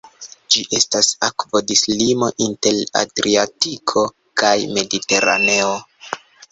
Ĝi estas akvodislimo inter Adriatiko kaj Mediteraneo.